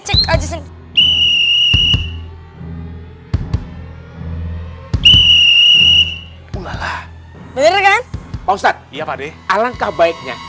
cek aja sih bener bener kan pak ustadz iya pade alangkah baiknya